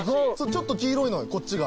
ちょっと黄色いのこっちが。